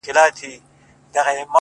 اور يې وي په سترگو کي لمبې کوې.